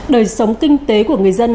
đời sống kinh tế của người dân